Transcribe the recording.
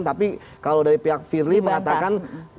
tapi kalau dari pihak firly mengatakan